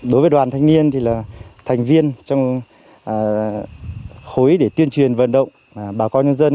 đối với đoàn thanh niên thì là thành viên trong khối để tuyên truyền vận động bà con nhân dân